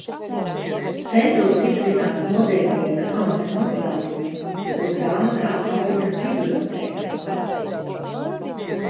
Centos izzināt modeļnieka amata noslēpumus no grāmatām fabrikas bibliotēkā.